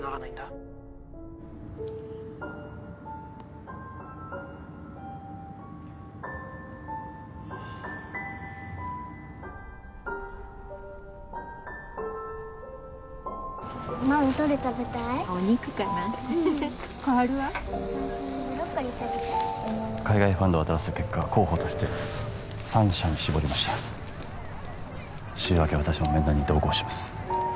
私ブロッコリー食べたい海外ファンドを当たらせた結果候補として３社に絞りました週明け私も面談に同行します